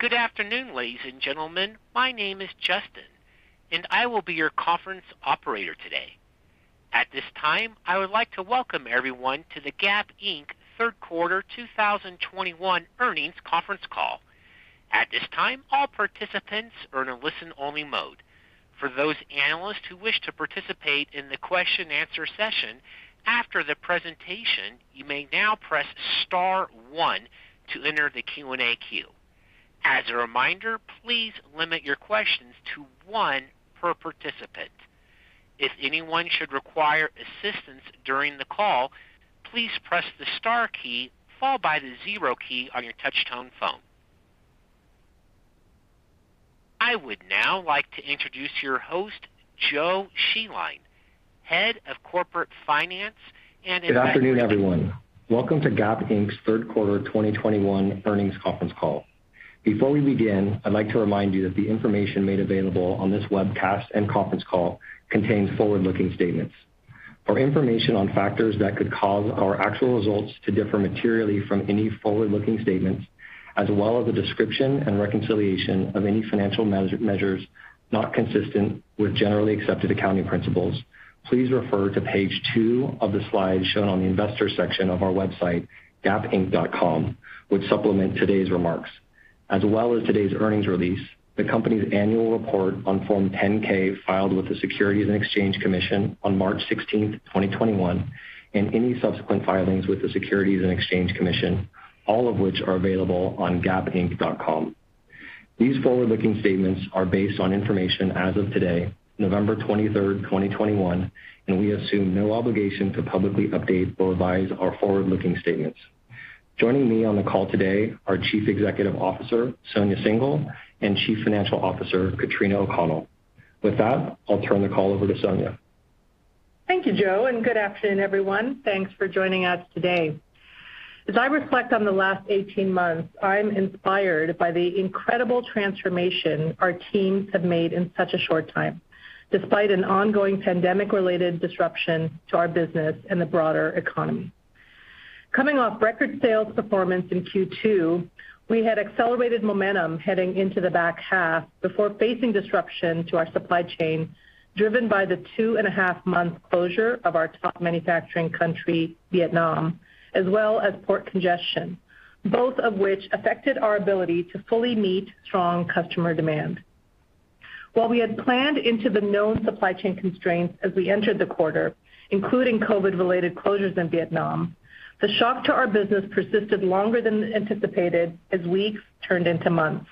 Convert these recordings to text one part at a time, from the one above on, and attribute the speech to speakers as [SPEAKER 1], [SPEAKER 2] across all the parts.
[SPEAKER 1] Good afternoon, ladies and gentlemen. My name is Justin, and I will be your conference operator today. At this time, I would like to welcome everyone to the Gap Inc Third Quarter 2021 Earnings Conference Call. At this time, all participants are in a listen-only mode. For those analysts who wish to participate in the question answer session after the presentation, you may now press star one to enter the Q&A queue. As a reminder, please limit your questions to one per participant. If anyone should require assistance during the call, please press the star key followed by the zero key on your touchtone phone. I would now like to introduce your host, Joe Scheeline, Head of Corporate Finance and Investor-
[SPEAKER 2] Good afternoon, everyone. Welcome to Gap Inc's third quarter 2021 earnings conference call. Before we begin, I'd like to remind you that the information made available on this webcast and conference call contains forward-looking statements. For information on factors that could cause our actual results to differ materially from any forward-looking statements, as well as a description and reconciliation of any financial measures not consistent with generally accepted accounting principles, please refer to page two of the slides shown on the investor section of our website, gapinc.com, which supplement today's remarks. As well as today's earnings release, the company's annual report on Form 10-K filed with the Securities and Exchange Commission on March 16, 2021, and any subsequent filings with the Securities and Exchange Commission, all of which are available on gapinc.com. These forward-looking statements are based on information as of today, November 23rd, twenty twenty-one, and we assume no obligation to publicly update or revise our forward-looking statements. Joining me on the call today are Chief Executive Officer, Sonia Syngal, and Chief Financial Officer, Katrina O'Connell. With that, I'll turn the call over to Sonia.
[SPEAKER 3] Thank you, Joe, and good afternoon, everyone. Thanks for joining us today. As I reflect on the last 18 months, I'm inspired by the incredible transformation our teams have made in such a short time, despite an ongoing pandemic-related disruption to our business and the broader economy. Coming off record sales performance in Q2, we had accelerated momentum heading into the back half before facing disruption to our supply chain, driven by the two and a half-month closure of our top manufacturing country, Vietnam, as well as port congestion, both of which affected our ability to fully meet strong customer demand. While we had planned into the known supply chain constraints as we entered the quarter, including COVID-related closures in Vietnam, the shock to our business persisted longer than anticipated as weeks turned into months.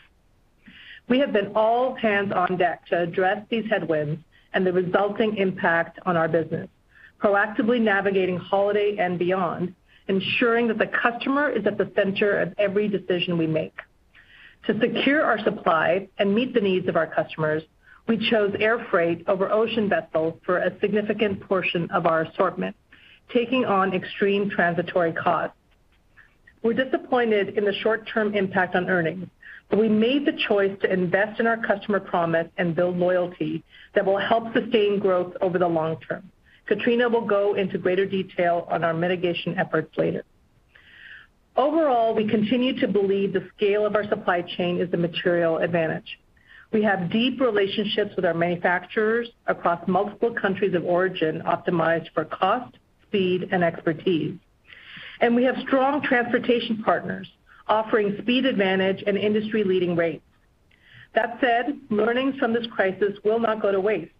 [SPEAKER 3] We have been all hands on deck to address these headwinds and the resulting impact on our business, proactively navigating holiday and beyond, ensuring that the customer is at the center of every decision we make. To secure our supply and meet the needs of our customers, we chose air freight over ocean vessels for a significant portion of our assortment, taking on extreme transitory costs. We're disappointed in the short-term impact on earnings, but we made the choice to invest in our customer promise and build loyalty that will help sustain growth over the long term. Katrina will go into greater detail on our mitigation efforts later. Overall, we continue to believe the scale of our supply chain is a material advantage. We have deep relationships with our manufacturers across multiple countries of origin optimized for cost, speed, and expertise. We have strong transportation partners offering speed advantage and industry-leading rates. That said, learnings from this crisis will not go to waste.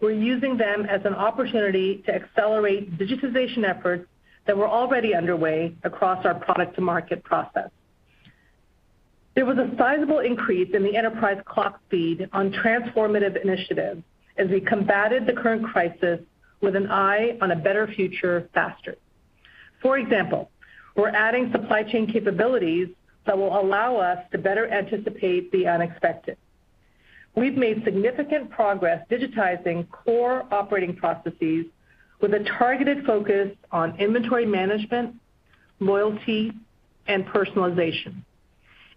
[SPEAKER 3] We're using them as an opportunity to accelerate digitization efforts that were already underway across our product to market process. There was a sizable increase in the enterprise clock speed on transformative initiatives as we combated the current crisis with an eye on a better future faster. For example, we're adding supply chain capabilities that will allow us to better anticipate the unexpected. We've made significant progress digitizing core operating processes with a targeted focus on inventory management, loyalty, and personalization.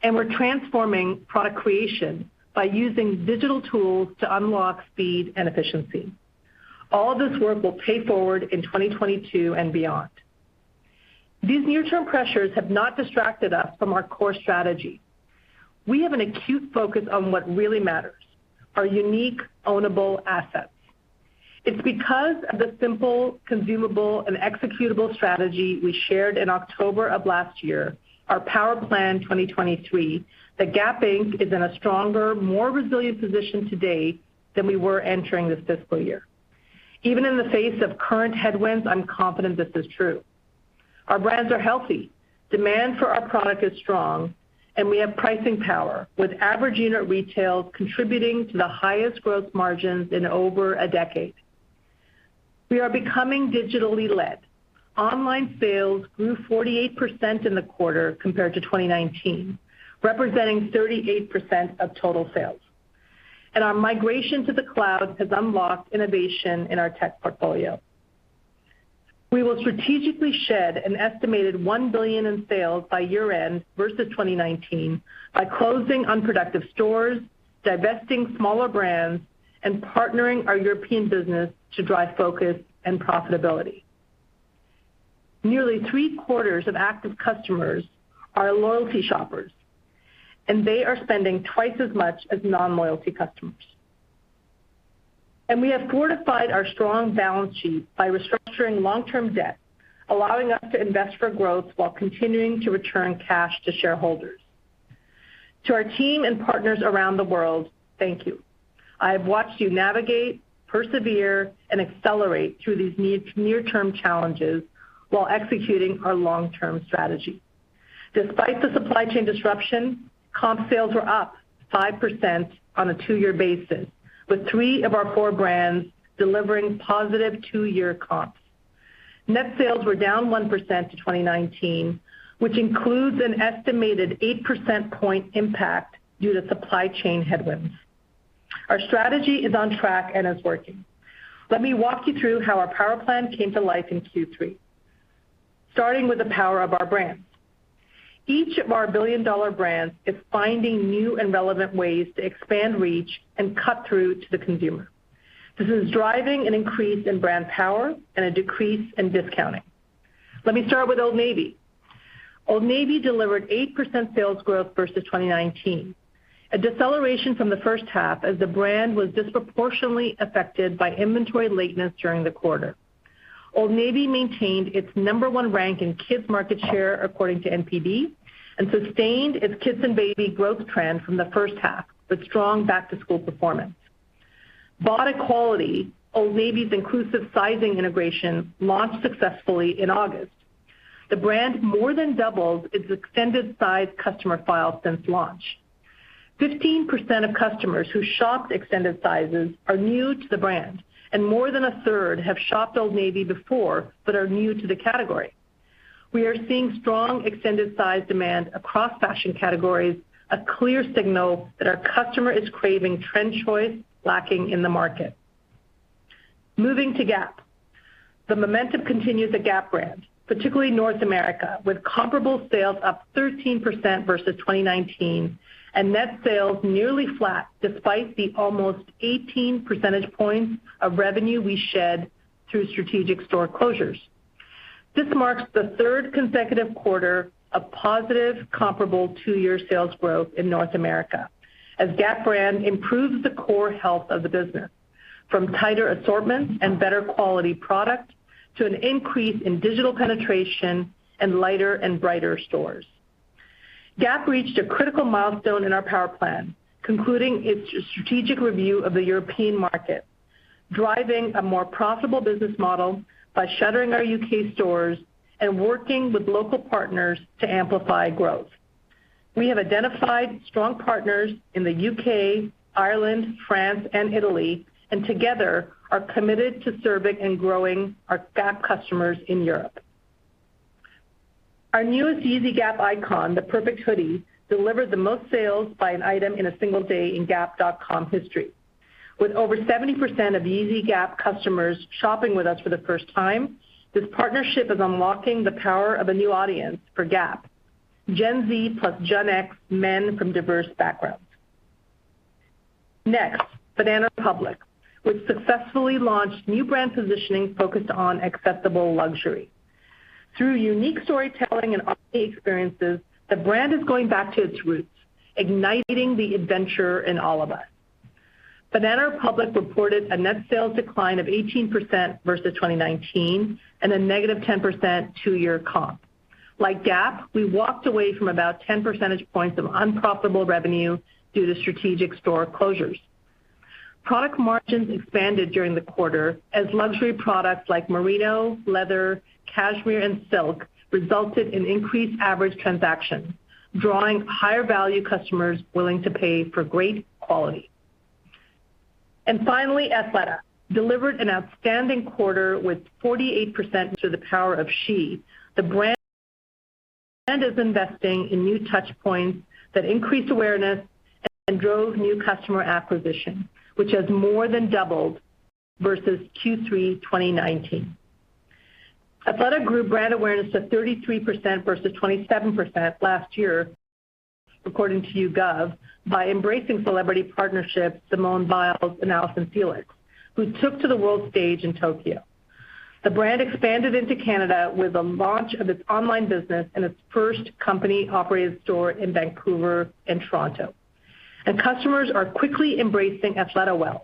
[SPEAKER 3] We're transforming product creation by using digital tools to unlock speed and efficiency. All this work will pay forward in 2022 and beyond. These near-term pressures have not distracted us from our core strategy. We have an acute focus on what really matters, our unique ownable assets. It's because of the simple, consumable, and executable strategy we shared in October of last year, our Power Plan 2023, that Gap Inc. is in a stronger, more resilient position today than we were entering this fiscal year. Even in the face of current headwinds, I'm confident this is true. Our brands are healthy. Demand for our product is strong, and we have pricing power, with average unit retail contributing to the highest growth margins in over a decade. We are becoming digitally led. Online sales grew 48% in the quarter compared to 2019, representing 38% of total sales. Our migration to the cloud has unlocked innovation in our tech portfolio. We will strategically shed an estimated $1 billion in sales by year-end versus 2019 by closing unproductive stores, divesting smaller brands, and partnering our European business to drive focus and profitability. Nearly three-quarters of active customers are loyalty shoppers, and they are spending twice as much as non-loyalty customers. We have fortified our strong balance sheet by restructuring long-term debt, allowing us to invest for growth while continuing to return cash to shareholders. To our team and partners around the world, thank you. I have watched you navigate, persevere, and accelerate through these near-term challenges while executing our long-term strategy. Despite the supply chain disruption, comp sales were up 5% on a two-year basis, with three of our four brands delivering positive two-year comps. Net sales were down 1% to 2019, which includes an estimated eight percentage point impact due to supply chain headwinds. Our strategy is on track and is working. Let me walk you through how our Power Plan came to life in Q3, starting with the power of our brands. Each of our billion-dollar brands is finding new and relevant ways to expand reach and cut through to the consumer. This is driving an increase in brand power and a decrease in discounting. Let me start with Old Navy. Old Navy delivered 8% sales growth versus 2019. A deceleration from the first half as the brand was disproportionately affected by inventory lateness during the quarter. Old Navy maintained its number one rank in kids market share according to NPD and sustained its kids and baby growth trend from the first half with strong back-to-school performance. BODEQUALITY, Old Navy's inclusive sizing initiative, launched successfully in August. The brand more than doubled its extended size customer file since launch. 15% of customers who shopped extended sizes are new to the brand, and more than a third have shopped Old Navy before but are new to the category. We are seeing strong extended size demand across fashion categories, a clear signal that our customer is craving trend choice lacking in the market. Moving to Gap. The momentum continues at Gap brand, particularly North America, with comparable sales up 13% versus 2019 and net sales nearly flat despite the almost 18 percentage points of revenue we shed through strategic store closures. This marks the third consecutive quarter of positive comparable two-year sales growth in North America as Gap brand improves the core health of the business from tighter assortments and better quality product to an increase in digital penetration and lighter and brighter stores. Gap reached a critical milestone in our Power Plan, concluding its strategic review of the European market, driving a more profitable business model by shuttering our U.K. stores and working with local partners to amplify growth. We have identified strong partners in the U.K., Ireland, France and Italy, and together are committed to serving and growing our Gap customers in Europe. Our newest Yeezy Gap icon, the Perfect Hoodie, delivered the most sales by an item in a single day in gap.com history. With over 70% of Yeezy Gap customers shopping with us for the first time, this partnership is unlocking the power of a new audience for Gap, Gen Z plus Gen X men from diverse backgrounds. Next, Banana Republic, which successfully launched new brand positioning focused on accessible luxury. Through unique storytelling and experiences, the brand is going back to its roots, igniting the adventure in all of us. Banana Republic reported a net sales decline of 18% versus 2019 and a negative 10% two-year comp. Like Gap, we walked away from about 10 percentage points of unprofitable revenue due to strategic store closures. Product margins expanded during the quarter as luxury products like merino, leather, cashmere, and silk resulted in increased average transaction, drawing higher value customers willing to pay for great quality. Finally, Athleta delivered an outstanding quarter with 48% to the power of she. The brand is investing in new touch points that increase awareness and drove new customer acquisition, which has more than doubled versus Q3 2019. Athleta grew brand awareness to 33% versus 27% last year, according to YouGov, by embracing celebrity partnerships, Simone Biles and Allyson Felix, who took to the world stage in Tokyo. The brand expanded into Canada with the launch of its online business and its first company-operated store in Vancouver and Toronto. Customers are quickly embracing AthletaWell,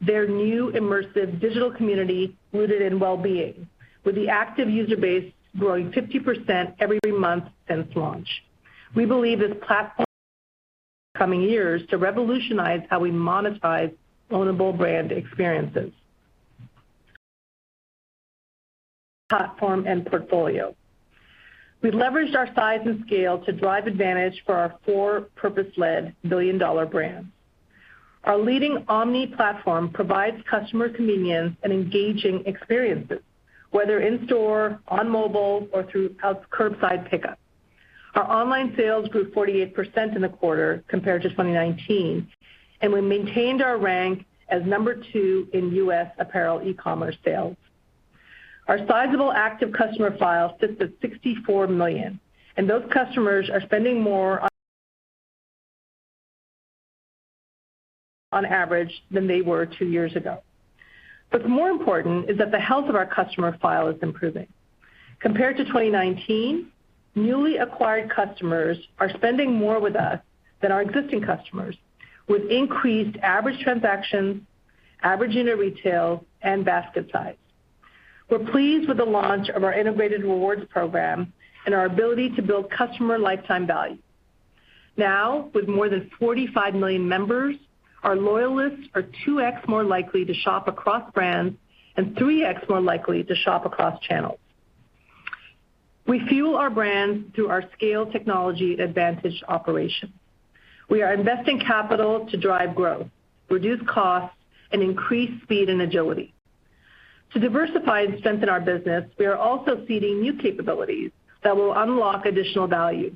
[SPEAKER 3] their new immersive digital community rooted in well-being, with the active user base growing 50% every month since launch. We believe this platform in the coming years to revolutionize how we monetize ownable brand experiences. Platform and portfolio. We've leveraged our size and scale to drive advantage for our four purpose-led billion-dollar brands. Our leading omni platform provides customer convenience and engaging experiences, whether in store, on mobile or through our curbside pickup. Our online sales grew 48% in the quarter compared to 2019, and we maintained our rank as No. 2 in U.S. apparel e-commerce sales. Our sizable active customer file sits at 64 million, and those customers are spending more on average than they were two years ago. What's more important is that the health of our customer file is improving. Compared to 2019, newly acquired customers are spending more with us than our existing customers, with increased average transactions, average unit retail, and basket size. We're pleased with the launch of our integrated rewards program and our ability to build customer lifetime value. Now, with more than 45 million members, our loyalists are 2x more likely to shop across brands and 3x more likely to shop across channels. We fuel our brands through our scale technology advantage operation. We are investing capital to drive growth, reduce costs, and increase speed and agility. To diversify and strengthen our business, we are also seeding new capabilities that will unlock additional value.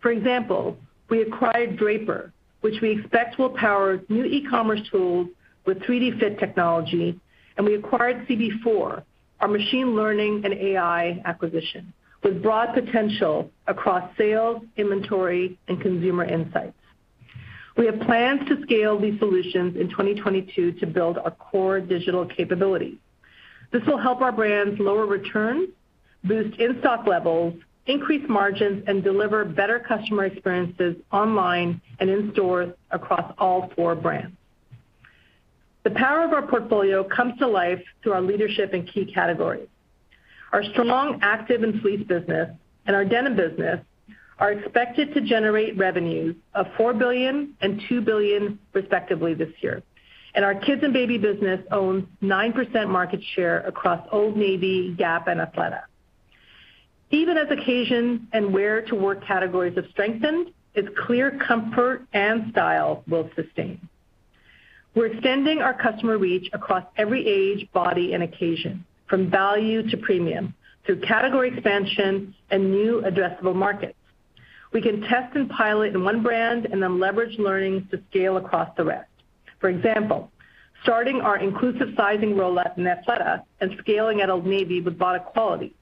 [SPEAKER 3] For example, we acquired Drapr, which we expect will power new e-commerce tools with 3D fit technology, and we acquired CB4, our machine learning and AI acquisition, with broad potential across sales, inventory, and consumer insights. We have plans to scale these solutions in 2022 to build our core digital capability. This will help our brands lower returns, boost in-stock levels, increase margins, and deliver better customer experiences online and in stores across all four brands. The power of our portfolio comes to life through our leadership in key categories. Our strong active and fleece business and our denim business are expected to generate revenues of $4 billion and $2 billion respectively this year. Our kids and baby business owns 9% market share across Old Navy, Gap, and Athleta. Even as occasion and wear to work categories have strengthened, it's clear comfort and style will sustain. We're extending our customer reach across every age, body, and occasion, from value to premium, through category expansion and new addressable markets. We can test and pilot in one brand and then leverage learnings to scale across the rest. For example, starting our inclusive sizing rollout in Athleta and scaling at Old Navy with BODEQUALITY,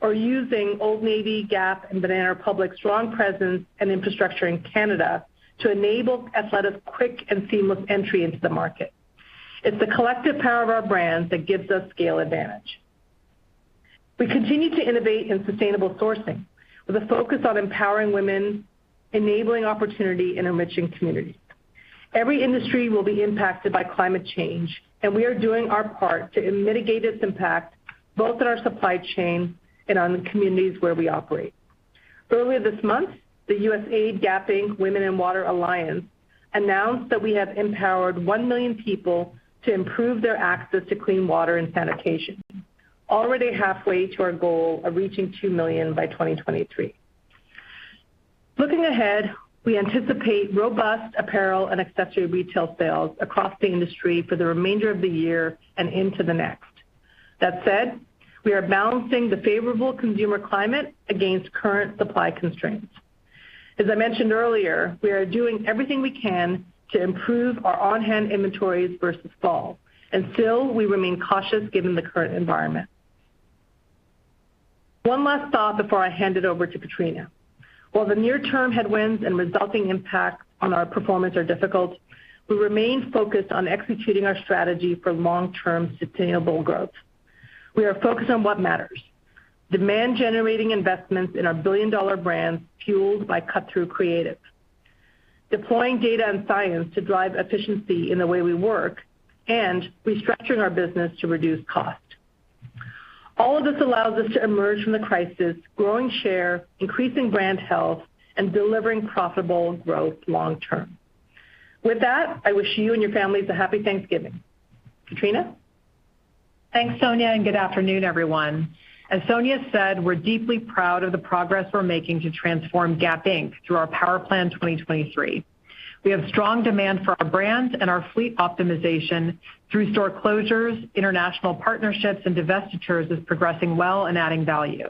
[SPEAKER 3] or using Old Navy, Gap, and Banana Republic's strong presence and infrastructure in Canada to enable Athleta's quick and seamless entry into the market. It's the collective power of our brands that gives us scale advantage. We continue to innovate in sustainable sourcing with a focus on empowering women, enabling opportunity, and enriching communities. Every industry will be impacted by climate change, and we are doing our part to mitigate its impact, both in our supply chain and on the communities where we operate. Earlier this month, the USAID Gap Inc. Women + Water Alliance announced that we have empowered 1 million people to improve their access to clean water and sanitation, already halfway to our goal of reaching 2 million by 2023. Looking ahead, we anticipate robust apparel and accessory retail sales across the industry for the remainder of the year and into the next. That said, we are balancing the favorable consumer climate against current supply constraints. As I mentioned earlier, we are doing everything we can to improve our on-hand inventories versus fall, and still, we remain cautious given the current environment. One last thought before I hand it over to Katrina. While the near-term headwinds and resulting impact on our performance are difficult, we remain focused on executing our strategy for long-term sustainable growth. We are focused on what matters: demand-generating investments in our billion-dollar brands fueled by cut-through creative, deploying data and science to drive efficiency in the way we work, and restructuring our business to reduce cost. All of this allows us to emerge from the crisis, growing share, increasing brand health, and delivering profitable growth long term. With that, I wish you and your families a Happy Thanksgiving. Katrina O'Connell?
[SPEAKER 4] Thanks, Sonia, and good afternoon, everyone. As Sonia said, we're deeply proud of the progress we're making to transform Gap Inc. through our Power Plan 2023. We have strong demand for our brands and our fleet optimization through store closures, international partnerships, and divestitures is progressing well and adding value.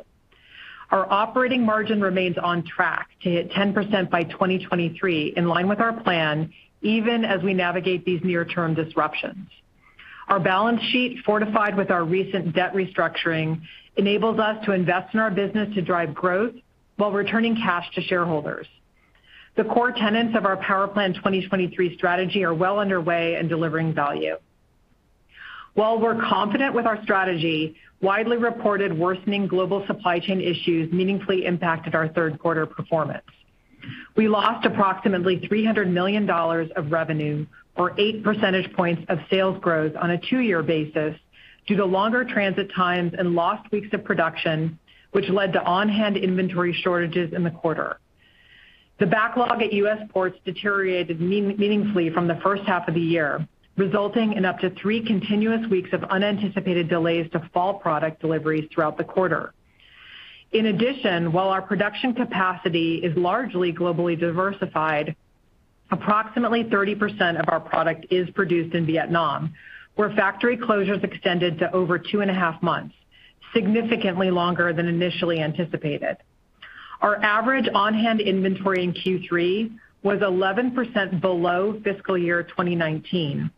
[SPEAKER 4] Our operating margin remains on track to hit 10% by 2023, in line with our plan, even as we navigate these near-term disruptions. Our balance sheet, fortified with our recent debt restructuring, enables us to invest in our business to drive growth while returning cash to shareholders. The core tenets of our Power Plan 2023 strategy are well underway in delivering value. While we're confident with our strategy, widely reported worsening global supply chain issues meaningfully impacted our third quarter performance. We lost approximately $300 million of revenue or 8 percentage points of sales growth on a two-year basis due to longer transit times and lost weeks of production, which led to on-hand inventory shortages in the quarter. The backlog at U.S. ports deteriorated meaningfully from the first half of the year, resulting in up to three continuous weeks of unanticipated delays to fall product deliveries throughout the quarter. In addition, while our production capacity is largely globally diversified, approximately 30% of our product is produced in Vietnam, where factory closures extended to over two and a half months, significantly longer than initially anticipated. Our average on-hand inventory in Q3 was 11% below fiscal year 2019.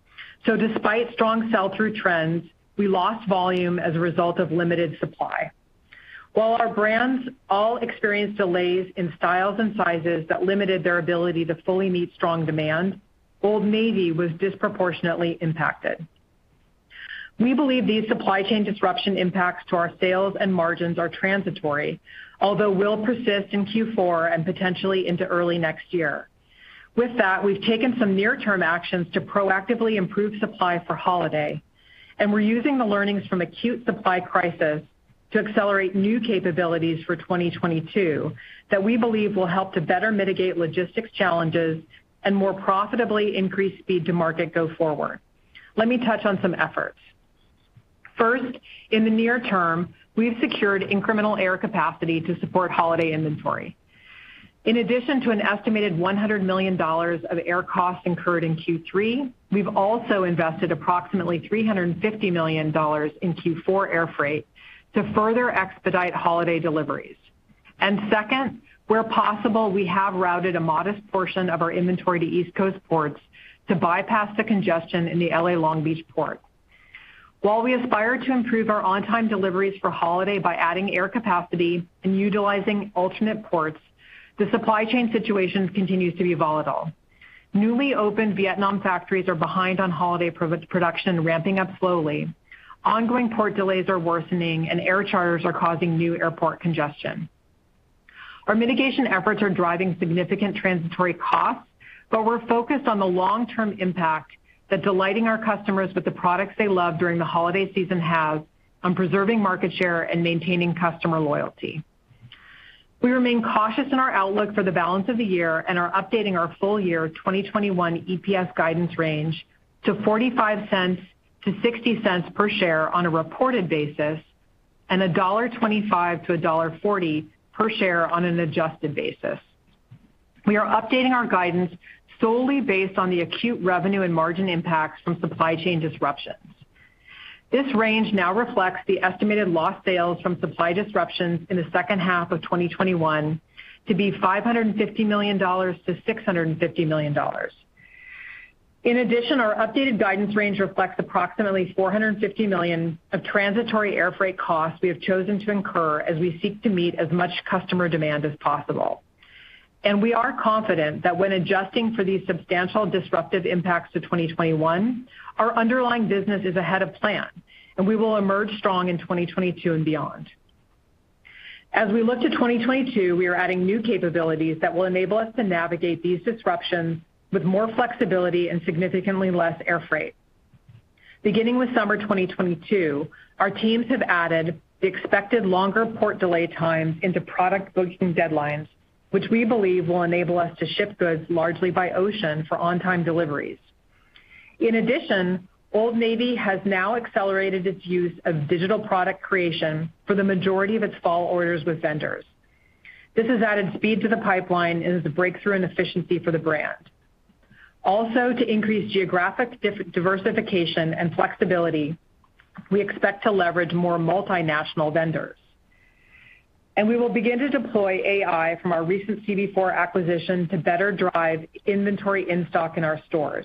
[SPEAKER 4] Despite strong sell-through trends, we lost volume as a result of limited supply. While our brands all experienced delays in styles and sizes that limited their ability to fully meet strong demand, Old Navy was disproportionately impacted. We believe these supply chain disruption impacts to our sales and margins are transitory, although will persist in Q4 and potentially into early next year. With that, we've taken some near-term actions to proactively improve supply for holiday, and we're using the learnings from acute supply crisis to accelerate new capabilities for 2022 that we believe will help to better mitigate logistics challenges and more profitably increase speed to market go forward. Let me touch on some efforts. First, in the near term, we've secured incremental air capacity to support holiday inventory. In addition to an estimated $100 million of air costs incurred in Q3, we've also invested approximately $350 million in Q4 air freight to further expedite holiday deliveries. Second, where possible, we have routed a modest portion of our inventory to East Coast ports to bypass the congestion in the L.A. Long Beach port. While we aspire to improve our on-time deliveries for holiday by adding air capacity and utilizing alternate ports, the supply chain situation continues to be volatile. Newly opened Vietnam factories are behind on holiday pre-production, ramping up slowly. Ongoing port delays are worsening and air charters are causing new airport congestion. Our mitigation efforts are driving significant transitory costs, but we're focused on the long-term impact that delighting our customers with the products they love during the holiday season has on preserving market share and maintaining customer loyalty. We remain cautious in our outlook for the balance of the year and are updating our full year 2021 EPS guidance range to $0.45-$0.60 per share on a reported basis and $1.25-$1.40 per share on an adjusted basis. We are updating our guidance solely based on the acute revenue and margin impacts from supply chain disruptions. This range now reflects the estimated lost sales from supply disruptions in the second half of 2021 to be $550 million-$650 million. In addition, our updated guidance range reflects approximately $450 million of transitory air freight costs we have chosen to incur as we seek to meet as much customer demand as possible. We are confident that when adjusting for these substantial disruptive impacts to 2021, our underlying business is ahead of plan and we will emerge strong in 2022 and beyond. As we look to 2022, we are adding new capabilities that will enable us to navigate these disruptions with more flexibility and significantly less air freight. Beginning with summer 2022, our teams have added the expected longer port delay times into product booking deadlines, which we believe will enable us to ship goods largely by ocean for on-time deliveries. In addition, Old Navy has now accelerated its use of digital product creation for the majority of its fall orders with vendors. This has added speed to the pipeline and is a breakthrough in efficiency for the brand. Also, to increase geographic diversification and flexibility, we expect to leverage more multinational vendors. We will begin to deploy AI from our recent CB4 acquisition to better drive inventory in-stock in our stores.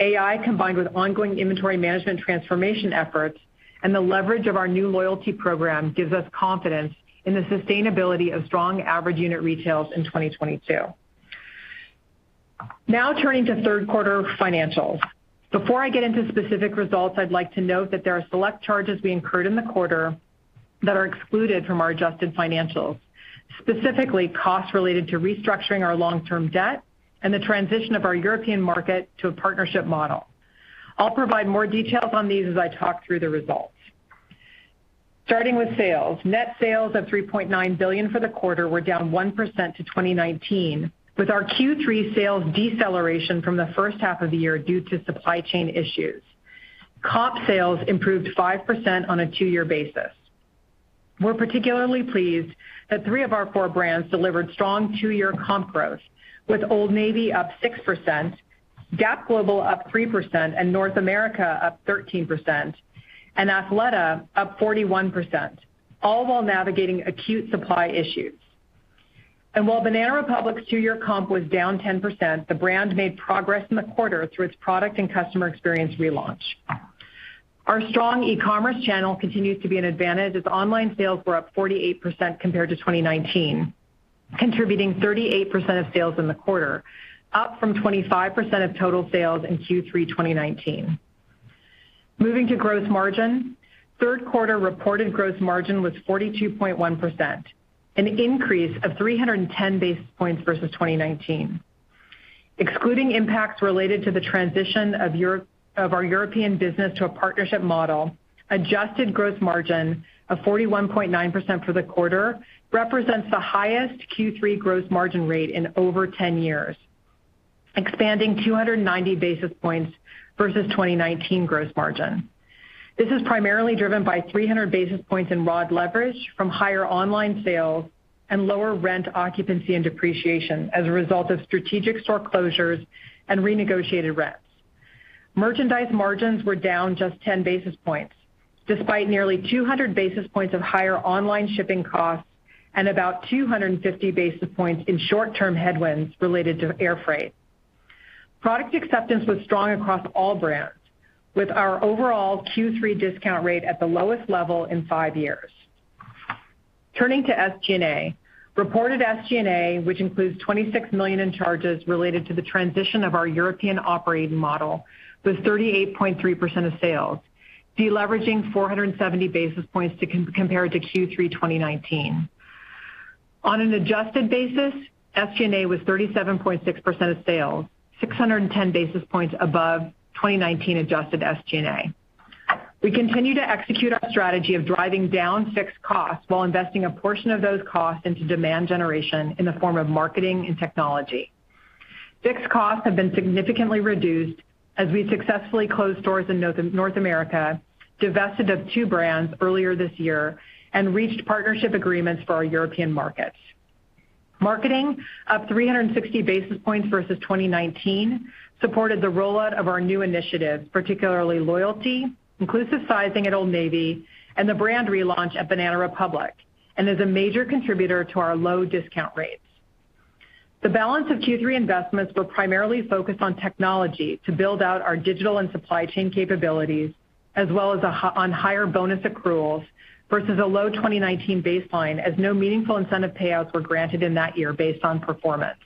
[SPEAKER 4] AI, combined with ongoing inventory management transformation efforts and the leverage of our new loyalty program, gives us confidence in the sustainability of strong average unit retails in 2022. Now, turning to third quarter financials. Before I get into specific results, I'd like to note that there are select charges we incurred in the quarter that are excluded from our adjusted financials, specifically costs related to restructuring our long-term debt and the transition of our European market to a partnership model. I'll provide more details on these as I talk through the results. Starting with sales. Net sales of $3.9 billion for the quarter were down 1% to 2019, with our Q3 sales deceleration from the first half of the year due to supply chain issues. Comp sales improved 5% on a two-year basis. We're particularly pleased that three of our four brands delivered strong two-year comp growth, with Old Navy up 6%, Gap Global up 3% and Gap North America up 13%, and Athleta up 41%, all while navigating acute supply issues. While Banana Republic's two-year comp was down 10%, the brand made progress in the quarter through its product and customer experience relaunch. Our strong e-commerce channel continues to be an advantage as online sales were up 48% compared to 2019, contributing 38% of sales in the quarter, up from 25% of total sales in Q3 2019. Moving to gross margin. Third quarter reported gross margin was 42.1%, an increase of 310 basis points versus 2019. Excluding impacts related to the transition of our European business to a partnership model, adjusted gross margin of 41.9% for the quarter represents the highest Q3 gross margin rate in over 10 years, expanding 290 basis points versus 2019 gross margin. This is primarily driven by 300 basis points in gross leverage from higher online sales and lower rent, occupancy and depreciation as a result of strategic store closures and renegotiated rents. Merchandise margins were down just 10 basis points, despite nearly 200 basis points of higher online shipping costs and about 250 basis points in short-term headwinds related to air freight. Product acceptance was strong across all brands, with our overall Q3 discount rate at the lowest level in five years. Turning to SG&A. Reported SG&A, which includes $26 million in charges related to the transition of our European operating model, was 38.3% of sales, deleveraging 470 basis points compared to Q3 2019. On an adjusted basis, SG&A was 37.6% of sales, 610 basis points above 2019 adjusted SG&A. We continue to execute our strategy of driving down fixed costs while investing a portion of those costs into demand generation in the form of marketing and technology. Fixed costs have been significantly reduced as we successfully closed stores in North America, divested of two brands earlier this year, and reached partnership agreements for our European markets. Marketing, up 360 basis points versus 2019, supported the rollout of our new initiatives, particularly loyalty, inclusive sizing at Old Navy, and the brand relaunch at Banana Republic, and is a major contributor to our low discount rates. The balance of Q3 investments were primarily focused on technology to build out our digital and supply chain capabilities, as well as higher bonus accruals versus a low 2019 baseline as no meaningful incentive payouts were granted in that year based on performance.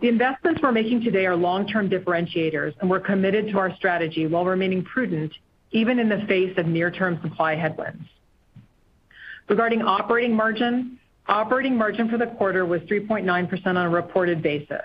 [SPEAKER 4] The investments we're making today are long-term differentiators, and we're committed to our strategy while remaining prudent, even in the face of near-term supply headwinds. Regarding operating margin, operating margin for the quarter was 3.9% on a reported basis.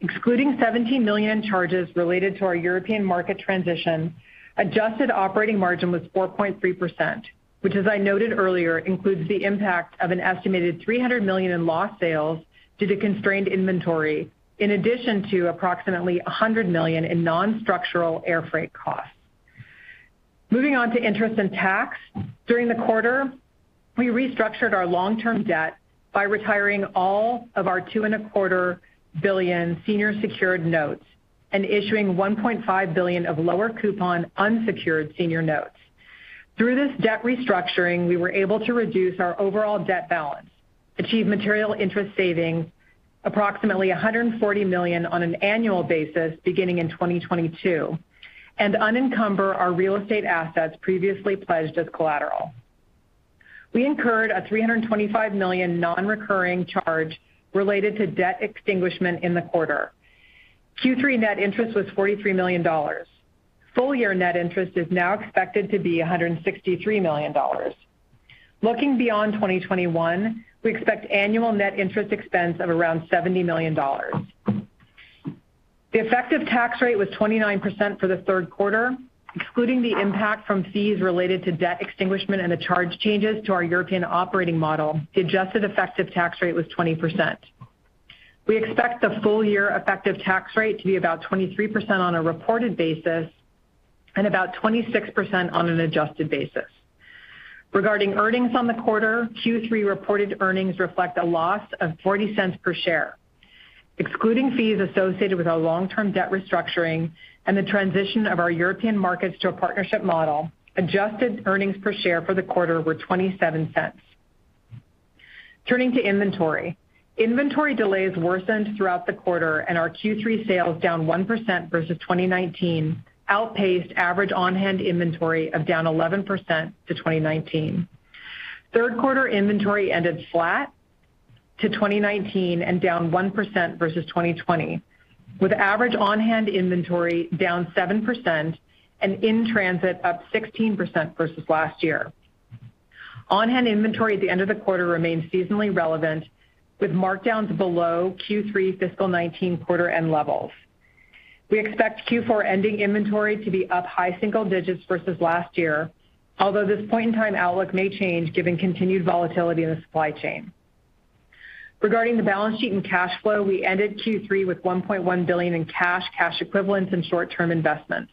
[SPEAKER 4] Excluding $17 million in charges related to our European market transition, adjusted operating margin was 4.3%, which, as I noted earlier, includes the impact of an estimated $300 million in lost sales due to constrained inventory, in addition to approximately $100 million in non-structural air freight costs. Moving on to interest and tax. During the quarter, we restructured our long-term debt by retiring all of our $2.25 billion senior secured notes and issuing $1.5 billion of lower coupon unsecured senior notes. Through this debt restructuring, we were able to reduce our overall debt balance, achieve material interest savings, approximately $140 million on an annual basis beginning in 2022, and unencumber our real estate assets previously pledged as collateral. We incurred a $325 million non-recurring charge related to debt extinguishment in the quarter. Q3 net interest was $43 million. Full year net interest is now expected to be $163 million. Looking beyond 2021, we expect annual net interest expense of around $70 million. The effective tax rate was 29% for the third quarter. Excluding the impact from fees related to debt extinguishment and the charge changes to our European operating model, the adjusted effective tax rate was 20%. We expect the full year effective tax rate to be about 23% on a reported basis and about 26% on an adjusted basis. Regarding earnings on the quarter, Q3 reported earnings reflect a loss of $0.40 per share. Excluding fees associated with our long-term debt restructuring and the transition of our European markets to a partnership model, adjusted earnings per share for the quarter were $0.27. Turning to inventory. Inventory delays worsened throughout the quarter, and our Q3 sales, down 1% versus 2019, outpaced average on-hand inventory of down 11% to 2019. Third quarter inventory ended flat to 2019 and down 1% versus 2020, with average on-hand inventory down 7% and in-transit up 16% versus last year. On-hand inventory at the end of the quarter remained seasonally relevant, with markdowns below Q3 fiscal 2019 quarter end levels. We expect Q4 ending inventory to be up high single digits versus last year, although this point-in-time outlook may change given continued volatility in the supply chain. Regarding the balance sheet and cash flow, we ended Q3 with $1.1 billion in cash equivalents, and short-term investments.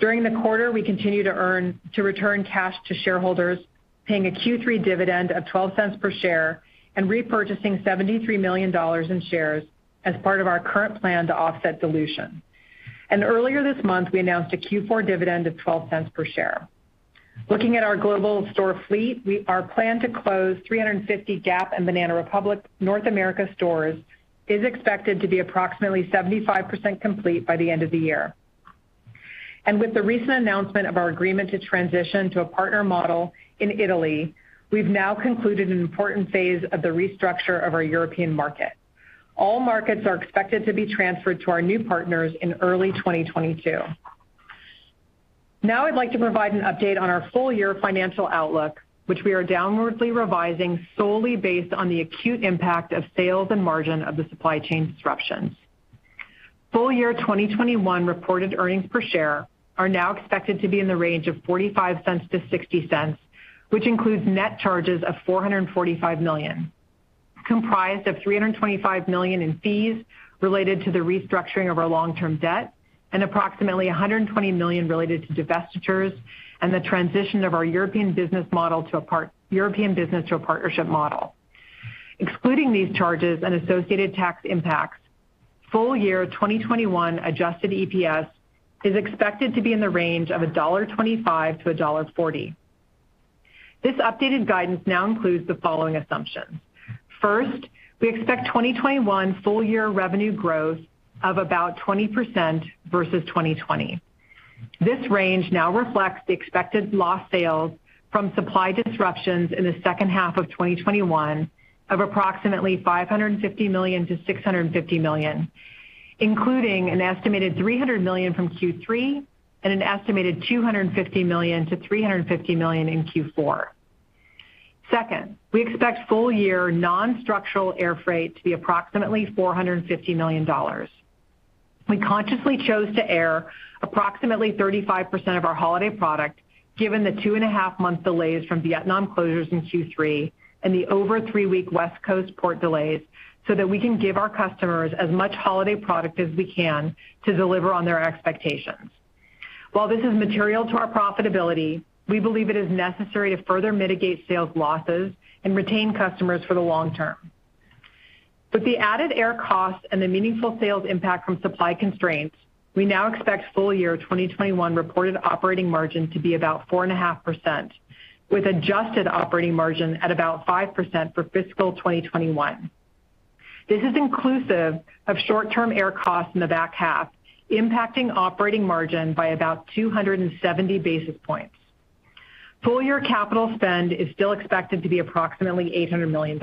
[SPEAKER 4] During the quarter, we continued to return cash to shareholders, paying a Q3 dividend of $0.12 per share and repurchasing $73 million in shares as part of our current plan to offset dilution. Earlier this month, we announced a Q4 dividend of $0.12 per share. Looking at our global store fleet, our plan to close 350 Gap and Banana Republic North America stores is expected to be approximately 75% complete by the end of the year. With the recent announcement of our agreement to transition to a partner model in Italy, we've now concluded an important phase of the restructure of our European market. All markets are expected to be transferred to our new partners in early 2022. Now I'd like to provide an update on our full year financial outlook, which we are downwardly revising solely based on the acute impact on sales and margins from the supply chain disruptions. Full year 2021 reported earnings per share are now expected to be in the range of $0.45-$0.60, which includes net charges of $445 million, comprised of $325 million in fees related to the restructuring of our long-term debt and approximately $120 million related to divestitures and the transition of our European business to a partnership model. Excluding these charges and associated tax impacts, full year 2021 adjusted EPS is expected to be in the range of $1.25-$1.40. This updated guidance now includes the following assumptions. First, we expect 2021 full year revenue growth of about 20% versus 2020. This range now reflects the expected lost sales from supply disruptions in the second half of 2021 of approximately $550 million-$650 million, including an estimated $300 million from Q3 and an estimated $250 million-$350 million in Q4. Second, we expect full year non-structural air freight to be approximately $450 million. We consciously chose to air approximately 35% of our holiday product, given the two and a half-month delays from Vietnam closures in Q3 and the over three-week West Coast port delays, so that we can give our customers as much holiday product as we can to deliver on their expectations. While this is material to our profitability, we believe it is necessary to further mitigate sales losses and retain customers for the long term. With the added air costs and the meaningful sales impact from supply constraints, we now expect full year 2021 reported operating margin to be about 4.5%, with adjusted operating margin at about 5% for fiscal 2021. This is inclusive of short term air costs in the back half, impacting operating margin by about 270 basis points. Full year capital spend is still expected to be approximately $800 million.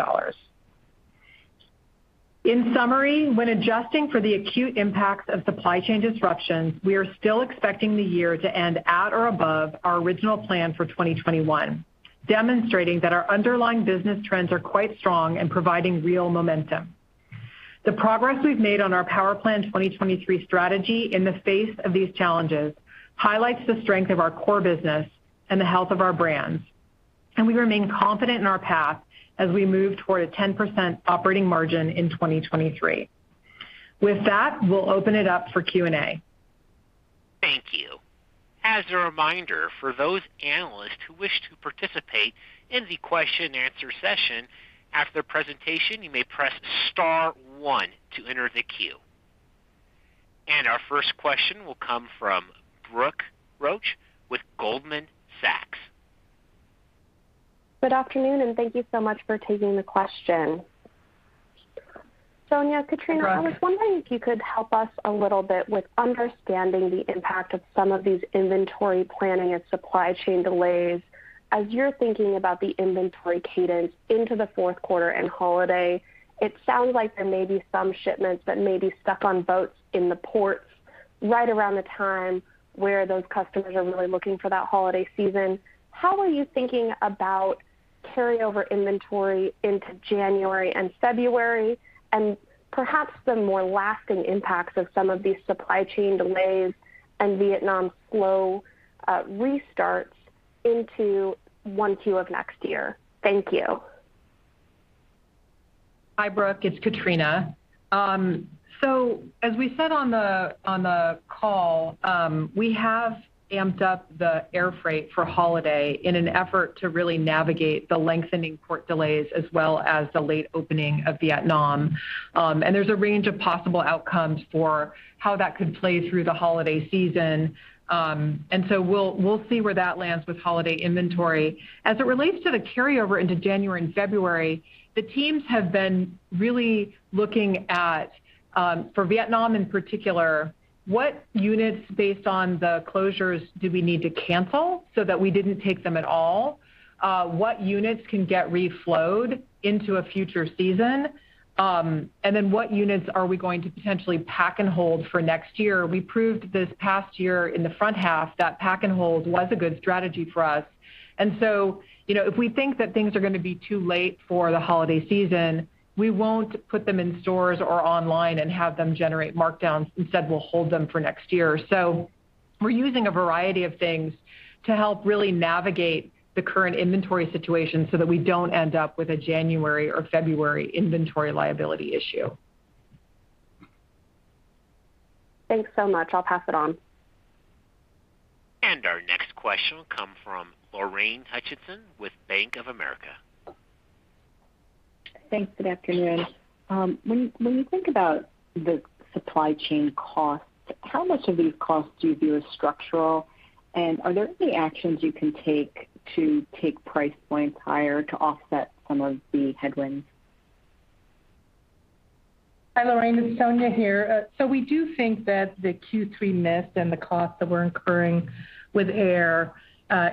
[SPEAKER 4] In summary, when adjusting for the acute impacts of supply chain disruptions, we are still expecting the year to end at or above our original plan for 2021, demonstrating that our underlying business trends are quite strong and providing real momentum. The progress we've made on our Power Plan 2023 strategy in the face of these challenges highlights the strength of our core business and the health of our brands, and we remain confident in our path as we move toward a 10% operating margin in 2023. With that, we'll open it up for Q&A.
[SPEAKER 1] Thank you. As a reminder for those analysts who wish to participate in the question and answer session, after the presentation, you may press star one to enter the queue. Our first question will come from Brooke Roach with Goldman Sachs.
[SPEAKER 5] Good afternoon, and thank you so much for taking the question. Sonia, Katrina, I was wondering if you could help us a little bit with understanding the impact of some of these inventory planning and supply chain delays. As you're thinking about the inventory cadence into the fourth quarter and holiday, it sounds like there may be some shipments that may be stuck on boats in the ports right around the time where those customers are really looking for that holiday season. How are you thinking about carryover inventory into January and February, and perhaps the more lasting impacts of some of these supply chain delays and Vietnam's slow restarts into 1Q of next year? Thank you.
[SPEAKER 4] Hi, Brooke. It's Katrina. As we said on the call, we have amped up the air freight for holiday in an effort to really navigate the lengthening port delays as well as the late opening of Vietnam. There's a range of possible outcomes for how that could play through the holiday season. We'll see where that lands with holiday inventory. As it relates to the carryover into January and February, the teams have been really looking at, for Vietnam in particular, what units based on the closures do we need to cancel so that we didn't take them at all? What units can get reflowed into a future season? What units are we going to potentially pack and hold for next year? We proved this past year in the front half that pack and hold was a good strategy for us. You know, if we think that things are gonna be too late for the holiday season, we won't put them in stores or online and have them generate markdowns. Instead, we'll hold them for next year. We're using a variety of things to help really navigate the current inventory situation so that we don't end up with a January or February inventory liability issue.
[SPEAKER 5] Thanks so much. I'll pass it on.
[SPEAKER 1] Our next question will come from Lorraine Hutchinson with Bank of America.
[SPEAKER 6] Thanks. Good afternoon. When you think about the supply chain costs, how much of these costs do you view as structural? Are there any actions you can take to take price points higher to offset some of the headwinds?
[SPEAKER 3] Hi, Lorraine, it's Sonia here. We do think that the Q3 miss and the cost that we're incurring with air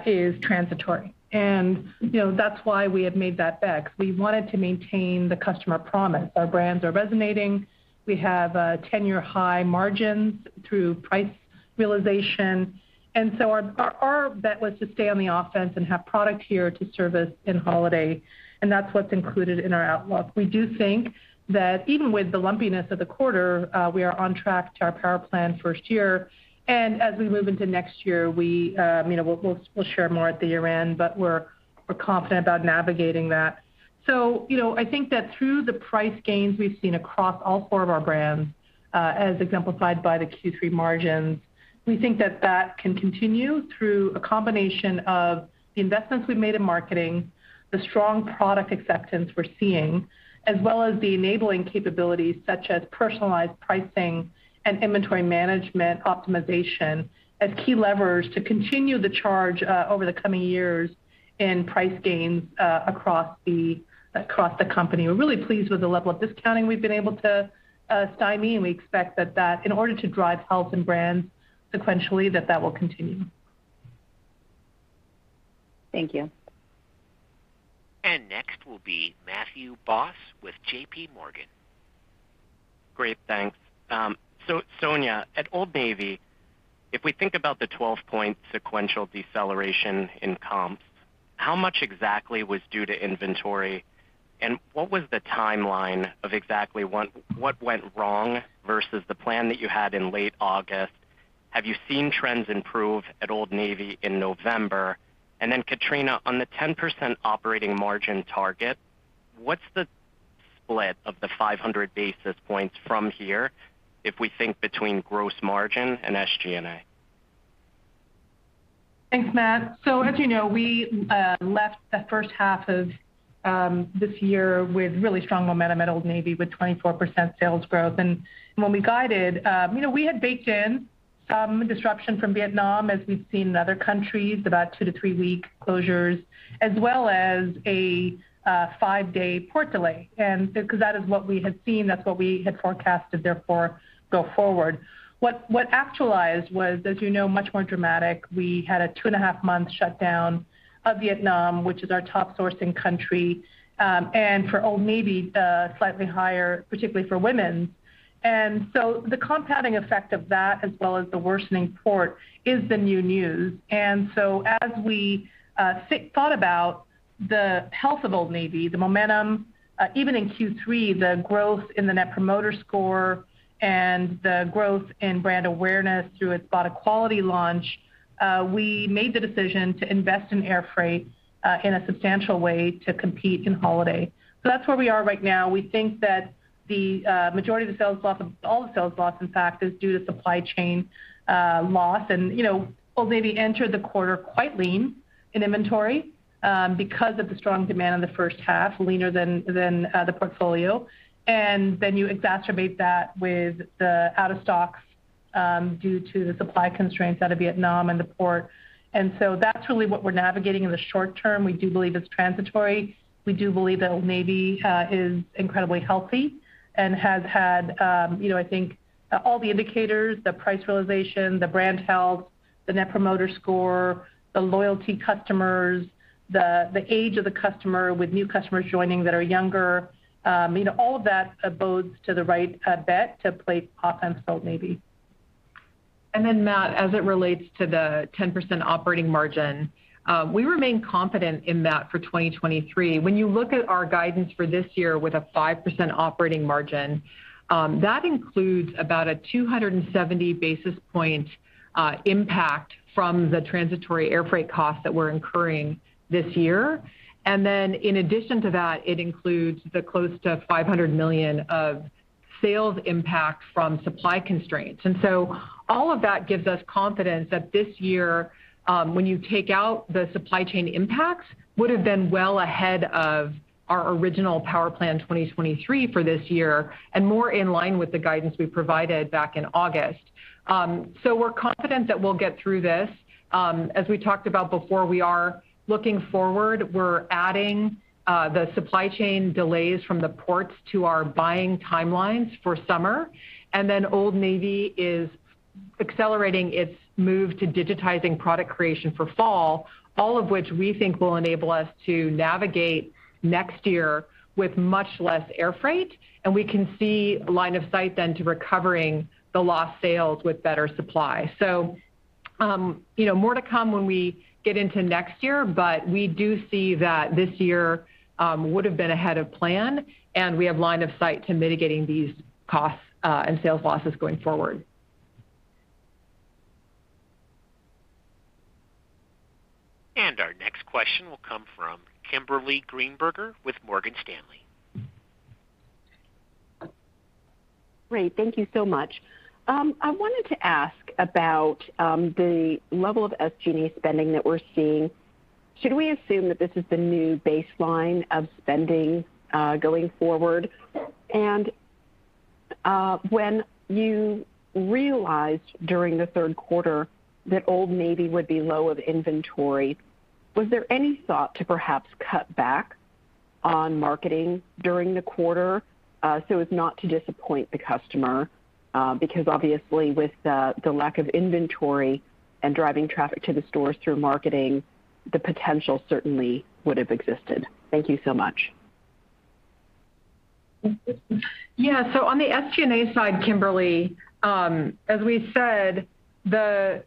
[SPEAKER 3] is transitory. You know, that's why we have made that bet, because we wanted to maintain the customer promise. Our brands are resonating. We have 10-year high margins through price realization. Our bet was to stay on the offense and have product here to service in holiday, and that's what's included in our outlook. We do think that even with the lumpiness of the quarter, we are on track to our Power Plan first year. As we move into next year, you know, we'll share more at the year-end, but we're confident about navigating that. You know, I think that through the price gains we've seen across all four of our brands, as exemplified by the Q3 margins, we think that can continue through a combination of the investments we've made in marketing, the strong product acceptance we're seeing, as well as the enabling capabilities such as personalized pricing and inventory management optimization as key levers to continue the charge, over the coming years in price gains, across the company. We're really pleased with the level of discounting we've been able to stymie, and we expect that in order to drive health in brands sequentially, that will continue.
[SPEAKER 6] Thank you.
[SPEAKER 1] Next will be Matthew Boss with JPMorgan.
[SPEAKER 7] Great. Thanks. Sonia, at Old Navy, if we think about the 12-point sequential deceleration in comps, how much exactly was due to inventory, and what was the timeline of exactly what went wrong versus the plan that you had in late August? Have you seen trends improve at Old Navy in November? Then Katrina, on the 10% operating margin target, what's the split of the 500 basis points from here if we think between gross margin and SG&A?
[SPEAKER 3] Thanks, Matt. As you know, we left the first half of this year with really strong momentum at Old Navy with 24% sales growth. When we guided, you know, we had baked in some disruption from Vietnam as we've seen in other countries, about two to three-week closures, as well as a five-day port delay. Because that is what we had seen, that's what we had forecasted, therefore, go forward. What actualized was, as you know, much more dramatic. We had a two and a half month shutdown of Vietnam, which is our top sourcing country, and for Old Navy, slightly higher, particularly for women. The compounding effect of that as well as the worsening port is the new news. As we thought about the health of Old Navy, the momentum even in Q3, the growth in the Net Promoter Score and the growth in brand awareness through its product quality launch, we made the decision to invest in air freight in a substantial way to compete in holiday. That's where we are right now. We think that the majority of the sales loss, all the sales loss, in fact, is due to supply chain loss. You know, Old Navy entered the quarter quite lean in inventory because of the strong demand in the first half, leaner than the portfolio. Then you exacerbate that with the out-of-stocks due to the supply constraints out of Vietnam and the port. That's really what we're navigating in the short term. We do believe it's transitory. We do believe that Old Navy is incredibly healthy and has had, you know, I think all the indicators, the price realization, the brand health, the net promoter score, the loyalty customers, the age of the customer with new customers joining that are younger, you know, all of that bodes well for the right bet to play offense at Old Navy.
[SPEAKER 4] Matt, as it relates to the 10% operating margin, we remain confident in that for 2023. When you look at our guidance for this year with a 5% operating margin, that includes about a 270 basis point impact from the transitory air freight costs that we're incurring this year. In addition to that, it includes the close to $500 million of sales impact from supply constraints. All of that gives us confidence that this year, when you take out the supply chain impacts, would have been well ahead of our original Power Plan 2023 for this year and more in line with the guidance we provided back in August. We're confident that we'll get through this. As we talked about before, we are looking forward. We're adding the supply chain delays from the ports to our buying timelines for summer. Old Navy is accelerating its move to digitizing product creation for fall, all of which we think will enable us to navigate next year with much less air freight. We can see line of sight then to recovering the lost sales with better supply. You know, more to come when we get into next year, but we do see that this year would have been ahead of plan, and we have line of sight to mitigating these costs and sales losses going forward.
[SPEAKER 1] Our next question will come from Kimberly Greenberger with Morgan Stanley.
[SPEAKER 8] Great. Thank you so much. I wanted to ask about the level of SG&A spending that we're seeing. Should we assume that this is the new baseline of spending going forward? When you realized during the third quarter that Old Navy would be low on inventory, was there any thought to perhaps cut back on marketing during the quarter so as not to disappoint the customer? Because obviously with the lack of inventory and driving traffic to the stores through marketing, the potential certainly would have existed. Thank you so much.
[SPEAKER 4] Yeah. On the SG&A side, Kimberly, as we said, the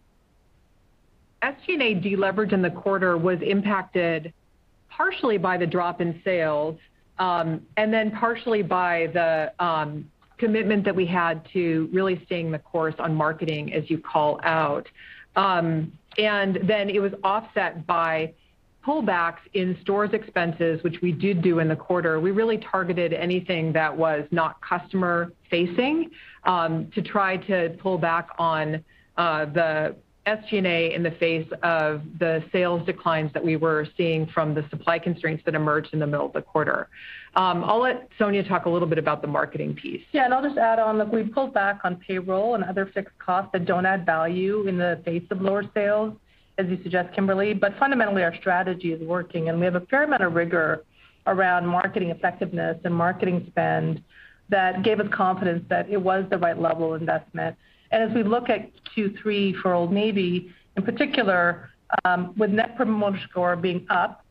[SPEAKER 4] SG&A deleverage in the quarter was impacted partially by the drop in sales, and then partially by the commitment that we had to really staying the course on marketing as you call out. It was offset by pullbacks in stores expenses, which we did do in the quarter. We really targeted anything that was not customer-facing, to try to pull back on the SG&A in the face of the sales declines that we were seeing from the supply constraints that emerged in the middle of the quarter. I'll let Sonia talk a little bit about the marketing piece.
[SPEAKER 3] Yeah. I'll just add on, look, we pulled back on payroll and other fixed costs that don't add value in the face of lower sales, as you suggest, Kimberly. Fundamentally, our strategy is working, and we have a fair amount of rigor around marketing effectiveness and marketing spend that gave us confidence that it was the right level of investment. As we look at Q3 for Old Navy, in particular, with Net Promoter Score being up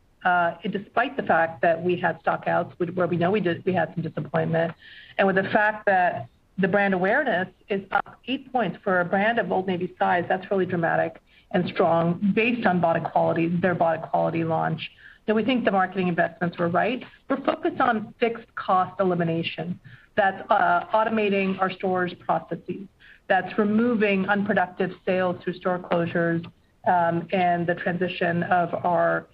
[SPEAKER 3] Despite the fact that we had stockouts where we know we did, we had some disappointment. With the fact that the brand awareness is up 8 points for a brand of Old Navy size, that's really dramatic and strong based on BODEQUALITY, their BODEQUALITY launch, that we think the marketing investments were right. We're focused on fixed cost elimination. That's automating our stores processes. That's removing unproductive sales through store closures, and the transition of our,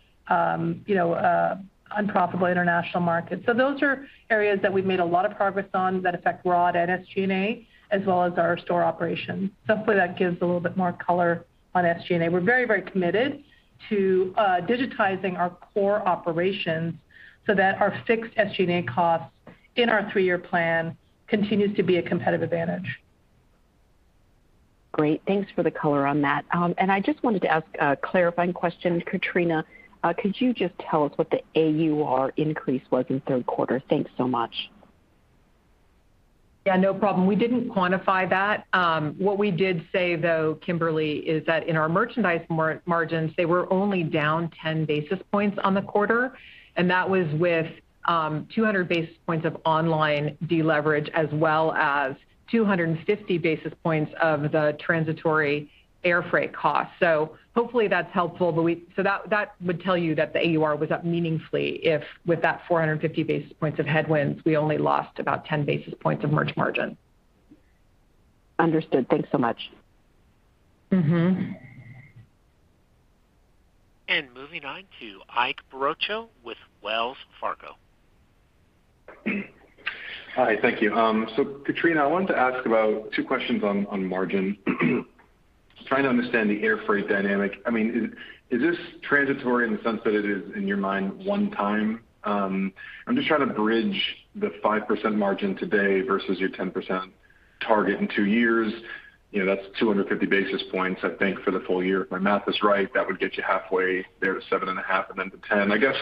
[SPEAKER 3] you know, unprofitable international markets. Those are areas that we've made a lot of progress on that affect run rate at SG&A, as well as our store operations. Hopefully, that gives a little bit more color on SG&A. We're very, very committed to digitizing our core operations so that our fixed SG&A costs in our three-year plan continues to be a competitive advantage.
[SPEAKER 8] Great. Thanks for the color on that. I just wanted to ask a clarifying question. Katrina, could you just tell us what the AUR increase was in third quarter? Thanks so much.
[SPEAKER 4] Yeah, no problem. We didn't quantify that. What we did say, though, Kimberly, is that in our merchandise margins, they were only down 10 basis points on the quarter, and that was with 200 basis points of online deleverage, as well as 250 basis points of the transitory air freight cost. Hopefully that's helpful. That would tell you that the AUR was up meaningfully if with that 450 basis points of headwinds, we only lost about 10 basis points of merch margin.
[SPEAKER 8] Understood. Thanks so much.
[SPEAKER 4] Mm-hmm.
[SPEAKER 1] Moving on to Ike Boruchow with Wells Fargo.
[SPEAKER 9] Hi, thank you. Katrina, I wanted to ask about two questions on margin. Trying to understand the air freight dynamic. I mean, is this transitory in the sense that it is in your mind one time? I'm just trying to bridge the 5% margin today versus your 10% target in two years. You know, that's 250 basis points, I think, for the full year. If my math is right, that would get you halfway there to 7.5 and then to 10. I guess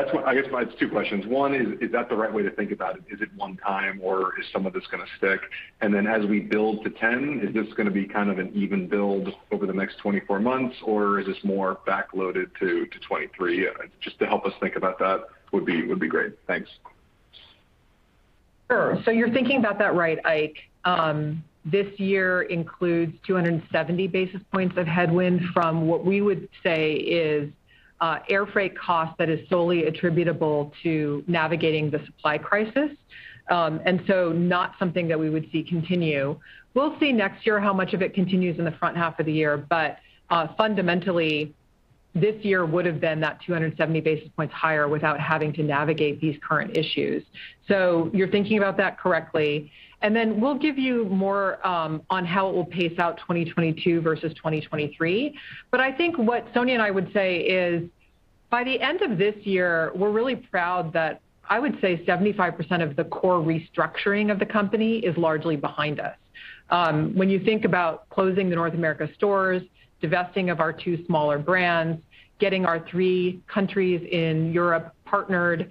[SPEAKER 9] it's two questions. One, is that the right way to think about it? Is it one time or is some of this gonna stick? As we build to 10, is this gonna be kind of an even build over the next 24 months, or is this more backloaded to 2023? Just to help us think about that would be great. Thanks.
[SPEAKER 4] Sure. You're thinking about that right, Ike. This year includes 270 basis points of headwind from what we would say is, air freight cost that is solely attributable to navigating the supply crisis, and so not something that we would see continue. We'll see next year how much of it continues in the front half of the year. Fundamentally, this year would have been that 270 basis points higher without having to navigate these current issues. You're thinking about that correctly. Then we'll give you more, on how it will pace out 2022 versus 2023. I think what Sonia and I would say is, by the end of this year, we're really proud that I would say 75% of the core restructuring of the company is largely behind us. When you think about closing the North America stores, divesting of our two smaller brands, getting our three countries in Europe partnered,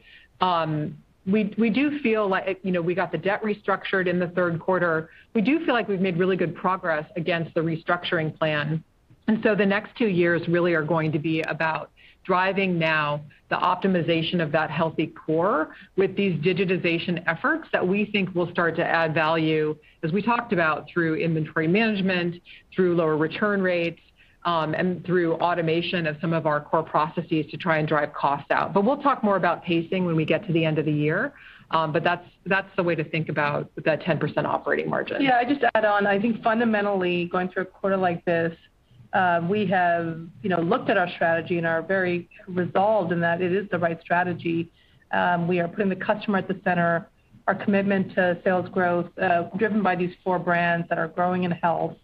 [SPEAKER 4] we do feel like, you know, we got the debt restructured in the third quarter. We do feel like we've made really good progress against the restructuring plan. The next two years really are going to be about driving now the optimization of that healthy core with these digitization efforts that we think will start to add value, as we talked about through inventory management, through lower return rates, and through automation of some of our core processes to try and drive costs out. We'll talk more about pacing when we get to the end of the year. That's the way to think about that 10% operating margin. Yeah. I'd just add on, I think fundamentally, going through a quarter like this, we have, you know, looked at our strategy and are very resolved in that it is the right strategy. We are putting the customer at the center. Our commitment to sales growth, driven by these four brands that are growing in health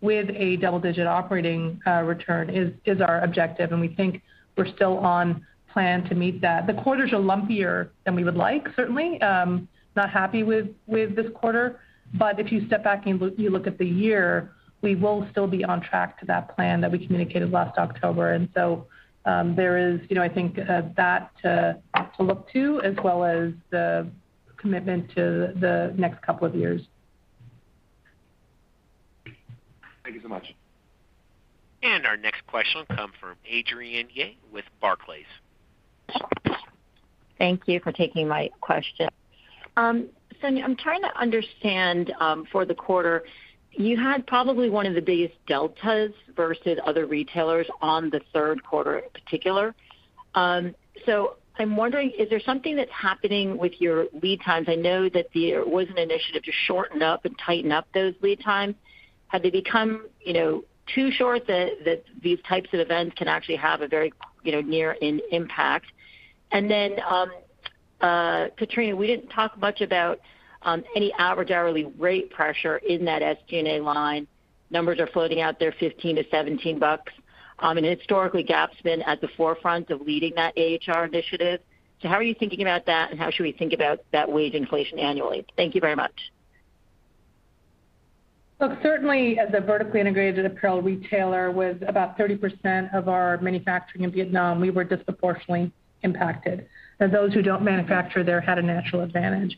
[SPEAKER 4] with a double-digit operating return is our objective, and we think we're still on plan to meet that. The quarter is a lumpier than we would like, certainly. Not happy with this quarter. If you step back and you look at the year, we will still be on track to that plan that we communicated last October. There is, you know, I think, that to look to as well as the commitment to the next couple of years.
[SPEAKER 9] Thank you so much.
[SPEAKER 1] Our next question will come from Adrienne Yih with Barclays.
[SPEAKER 10] Thank you for taking my question. Sonia, I'm trying to understand, for the quarter, you had probably one of the biggest deltas versus other retailers on the third quarter in particular. So I'm wondering, is there something that's happening with your lead times? I know that there was an initiative to shorten up and tighten up those lead times. Have they become, you know, too short that these types of events can actually have a very, you know, near impact? Then, Katrina, we didn't talk much about, any average hourly rate pressure in that SG&A line. Numbers are floating out there, $15-$17. Historically, Gap's been at the forefront of leading that AHR initiative. So how are you thinking about that, and how should we think about that wage inflation annually? Thank you very much.
[SPEAKER 3] Look, certainly as a vertically integrated apparel retailer with about 30% of our manufacturing in Vietnam, we were disproportionately impacted, and those who don't manufacture there had a natural advantage.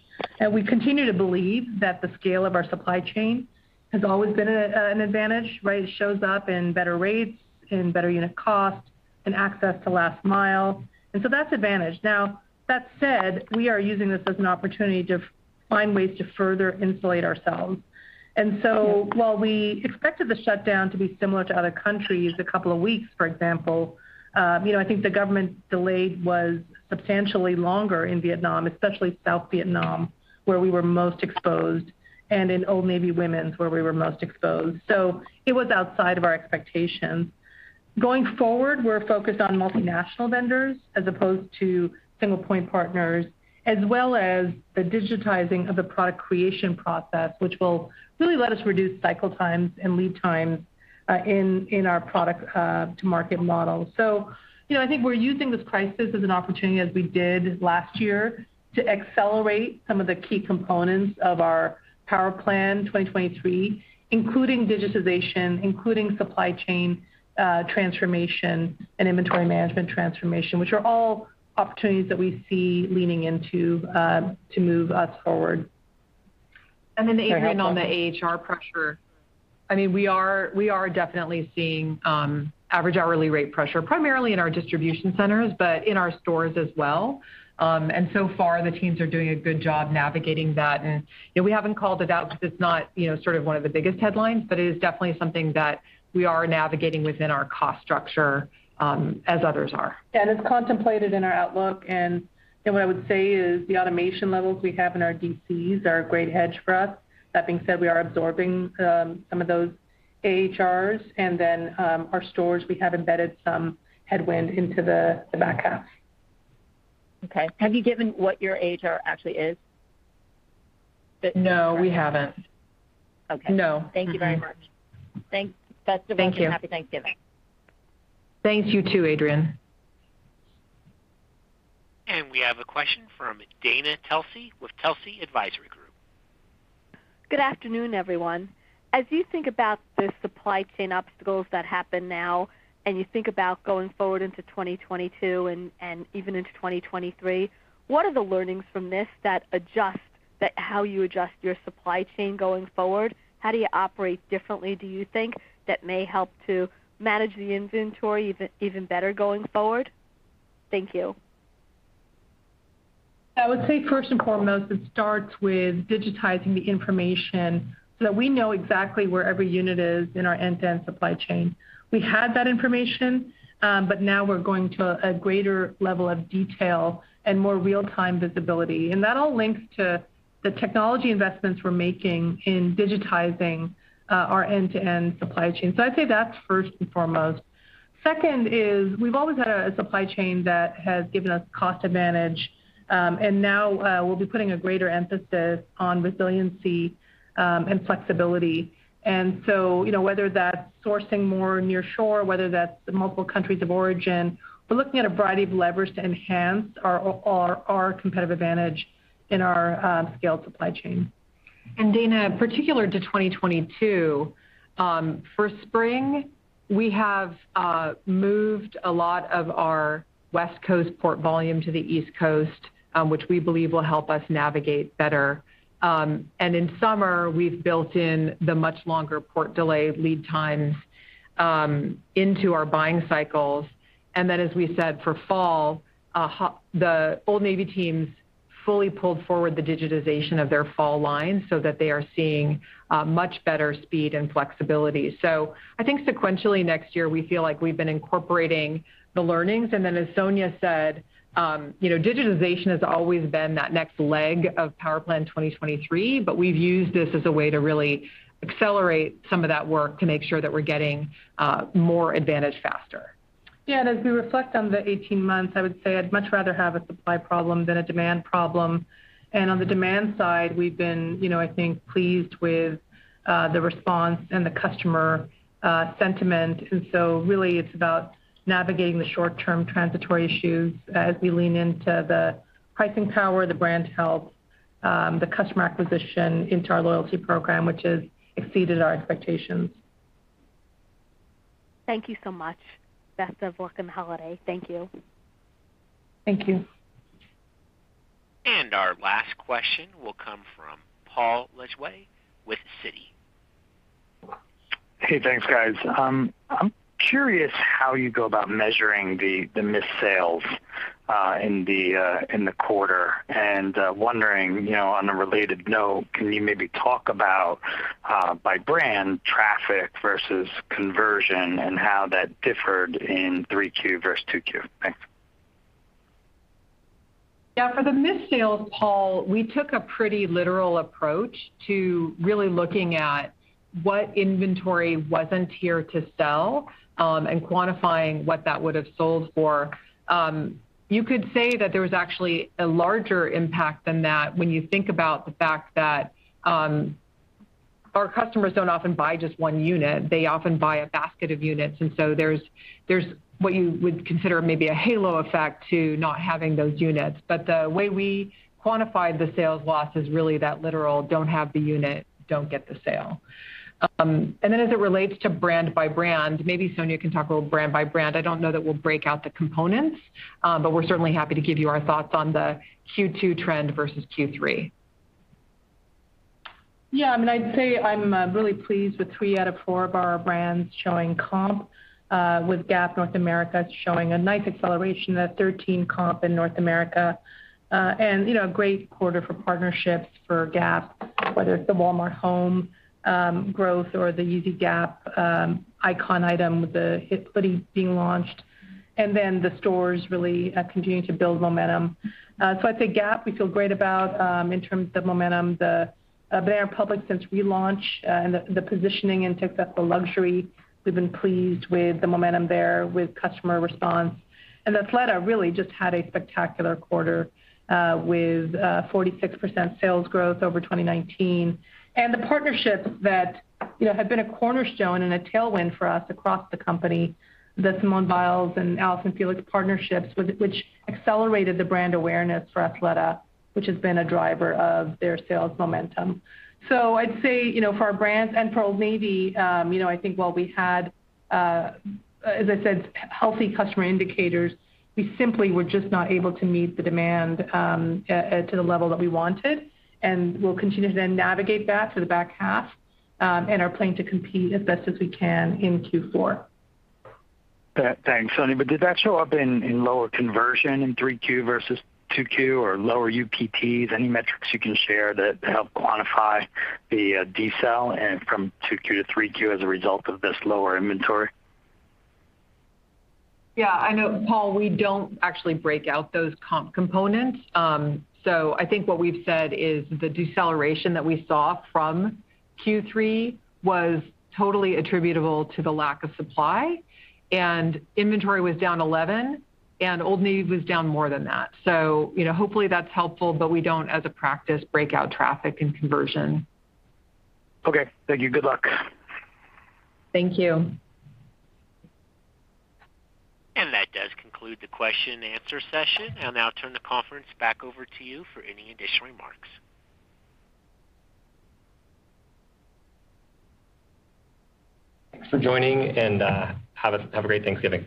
[SPEAKER 3] We continue to believe that the scale of our supply chain has always been an advantage, right? It shows up in better rates, in better unit cost and access to last mile. That's advantage. Now that said, we are using this as an opportunity to find ways to further insulate ourselves. While we expected the shutdown to be similar to other countries, a couple of weeks, for example, I think the government delay was substantially longer in Vietnam, especially South Vietnam, where we were most exposed and in Old Navy women's, where we were most exposed. So it was outside of our expectations. Going forward, we're focused on multinational vendors as opposed to single point partners, as well as the digitizing of the product creation process, which will really let us reduce cycle times and lead times in our product to market model. You know, I think we're using this crisis as an opportunity, as we did last year, to accelerate some of the key components of our Power Plan 2023, including digitization, including supply chain transformation and inventory management transformation, which are all opportunities that we see leaning into to move us forward.
[SPEAKER 4] Adrienne, on the AHR pressure, I mean, we are definitely seeing average hourly rate pressure, primarily in our distribution centers, but in our stores as well. So far, the teams are doing a good job navigating that. You know, we haven't called it out because it's not, you know, sort of one of the biggest headlines, but it is definitely something that we are navigating within our cost structure, as others are.
[SPEAKER 3] Yeah. It's contemplated in our outlook. You know, what I would say is the automation levels we have in our DCs are a great hedge for us. That being said, we are absorbing some of those AHRs. Then, our stores, we have embedded some headwind into the back half.
[SPEAKER 10] Okay. Have you given what your AHR actually is?
[SPEAKER 4] No, we haven't.
[SPEAKER 10] Okay.
[SPEAKER 4] No.
[SPEAKER 10] Thank you very much.
[SPEAKER 3] Thanks.
[SPEAKER 10] Best of luck.
[SPEAKER 3] Thank you.
[SPEAKER 10] Happy Thanksgiving.
[SPEAKER 4] Thanks. You too, Adrienne.
[SPEAKER 1] We have a question from Dana Telsey with Telsey Advisory Group.
[SPEAKER 11] Good afternoon, everyone. As you think about the supply chain obstacles that happen now, and you think about going forward into 2022 and even into 2023, what are the learnings from this that adjust how you adjust your supply chain going forward? How do you operate differently, do you think, that may help to manage the inventory even better going forward? Thank you.
[SPEAKER 3] I would say first and foremost, it starts with digitizing the information so that we know exactly where every unit is in our end-to-end supply chain. We had that information, but now we're going to a greater level of detail and more real-time visibility, and that all links to the technology investments we're making in digitizing our end-to-end supply chain. I'd say that's first and foremost. Second is we've always had a supply chain that has given us cost advantage, and now we'll be putting a greater emphasis on resiliency and flexibility. You know, whether that's sourcing more near shore, whether that's multiple countries of origin, we're looking at a variety of levers to enhance our competitive advantage in our scaled supply chain.
[SPEAKER 4] Dana, particular to 2022, for spring, we have moved a lot of our West Coast port volume to the East Coast, which we believe will help us navigate better. In summer, we've built in the much longer port delay lead times into our buying cycles. Then, as we said, for fall, the Old Navy teams fully pulled forward the digitization of their fall lines so that they are seeing much better speed and flexibility. I think sequentially next year, we feel like we've been incorporating the learnings. Then as Sonia said, you know, digitization has always been that next leg of Power Plan 2023, but we've used this as a way to really accelerate some of that work to make sure that we're getting more advantage faster.
[SPEAKER 3] Yeah. As we reflect on the 18 months, I would say I'd much rather have a supply problem than a demand problem. On the demand side, we've been, you know, I think, pleased with the response and the customer sentiment. Really it's about navigating the short term transitory issues as we lean into the pricing power, the brand health, the customer acquisition into our loyalty program, which has exceeded our expectations.
[SPEAKER 11] Thank you so much. Best of luck on the holiday. Thank you.
[SPEAKER 3] Thank you.
[SPEAKER 1] Our last question will come from Paul Lejuez with Citi.
[SPEAKER 12] Hey, thanks, guys. I'm curious how you go about measuring the missed sales in the quarter. I'm wondering, you know, on a related note, can you maybe talk about by brand traffic versus conversion and how that differed in 3Q versus 2Q? Thanks.
[SPEAKER 4] Yeah. For the missed sales, Paul, we took a pretty literal approach to really looking at what inventory wasn't here to sell, and quantifying what that would have sold for. You could say that there was actually a larger impact than that when you think about the fact that, our customers don't often buy just one unit. They often buy a basket of units. And so there's what you would consider maybe a halo effect to not having those units. But the way we quantify the sales loss is really that literal, don't have the unit, don't get the sale. And then as it relates to brand by brand, maybe Sonia can talk about brand by brand. I don't know that we'll break out the components, but we're certainly happy to give you our thoughts on the Q2 trend versus Q3.
[SPEAKER 3] Yeah, I mean, I'd say I'm really pleased with three out of four of our brands showing comp, with Gap North America showing a nice acceleration at 13% comp in North America. You know, great quarter for partnerships for Gap, whether it's the Walmart.com growth or the Yeezy Gap icon item with the Perfect Hoodie being launched. The stores really continuing to build momentum. I'd say Gap, we feel great about in terms of momentum. The Banana Republic since relaunch, and the positioning ticks up to the luxury. We've been pleased with the momentum there with customer response. Athleta really just had a spectacular quarter, with 46% sales growth over 2019. The partnerships that, you know, have been a cornerstone and a tailwind for us across the company, the Simone Biles and Allyson Felix partnerships with which accelerated the brand awareness for Athleta, which has been a driver of their sales momentum. I'd say, you know, for our brands and for Old Navy, I think while we had, as I said, healthy customer indicators, we simply were just not able to meet the demand, to the level that we wanted. We'll continue to then navigate that for the back half, and are planning to compete as best as we can in Q4.
[SPEAKER 12] Thanks, Sonny. Did that show up in lower conversion in 3Q versus 2Q or lower UPTs? Any metrics you can share that help quantify the decel in from 2Q to 3Q as a result of this lower inventory?
[SPEAKER 3] Yeah. I know, Paul, we don't actually break out those comp components. I think what we've said is the deceleration that we saw from Q3 was totally attributable to the lack of supply, and inventory was down 11%, and Old Navy was down more than that. You know, hopefully, that's helpful, but we don't, as a practice, break out traffic and conversion.
[SPEAKER 12] Okay. Thank you. Good luck.
[SPEAKER 3] Thank you.
[SPEAKER 1] That does conclude the question and answer session. I'll now turn the conference back over to you for any additional remarks.
[SPEAKER 2] Thanks for joining, and have a great Thanksgiving.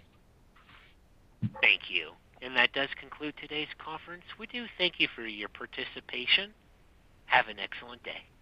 [SPEAKER 1] Thank you. That does conclude today's conference. We do thank you for your participation. Have an excellent day.